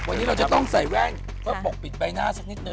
วันนี้เราจะต้องใส่แว่นเพื่อปกปิดใบหน้าสักนิดนึ